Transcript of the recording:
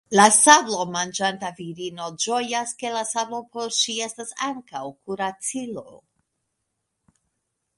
La sablomanĝanta virino ĝojas, ke la sablo por ŝi estas ankaŭ kuracilo.